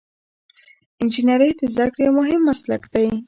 انجنیری د زده کړې یو مهم مسلک دی.